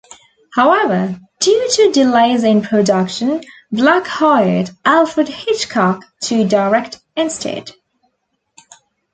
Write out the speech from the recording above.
However, due to delays in production, Black hired Alfred Hitchcock to direct instead.